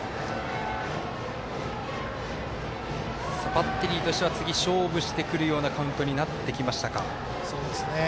バッテリーとしては次、勝負してくるようなカウントになってきましたか。